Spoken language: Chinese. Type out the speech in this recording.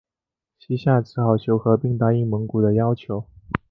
西夏只好求和并答应蒙古的要求。